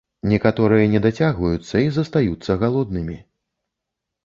Некаторыя не дацягваюцца і застаюцца галоднымі.